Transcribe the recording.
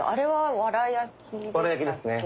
わら焼きですね。